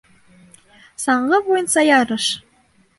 Саңғы буйынса ярыш